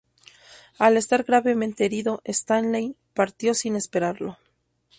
Al estar gravemente herido, Stanley partió sin esperarlo.